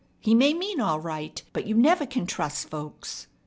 He may mean all right, but you never can trust folks."